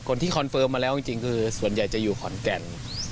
คนที่แนกประกาศมาแล้วจริงคือส่วนใหญ่อยู่ขอนแก่น